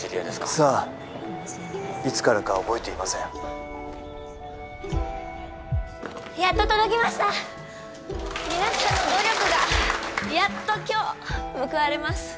さあいつからか覚えていませんやっと届きました皆さんの努力がやっと今日報われます